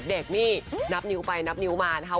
เด็กนี่นับนิ้วไปนับนิ้วมานะคะ